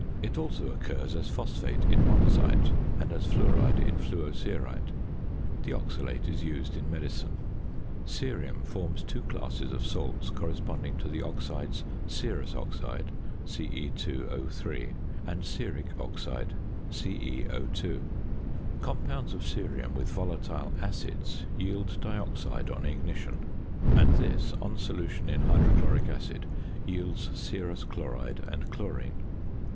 It also occurs as phosphate in monazite, and as fluoride in fluocerite. The oxalate is used in medicine. Cerium forms two classes of salts corresponding to the oxides, cerous oxide (Ce_O_) and ceric oxide (CeO_). Compounds of cerium with volatile acids yield dioxide on ignition; and this, on solution in hydrochloric acid, yields cerous chloride and chlorine.